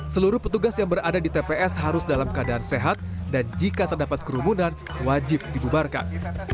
seluruh petugas yang berada di tps harus dalam keadaan sehat dan jika terdapat kerumunan wajib dibubarkan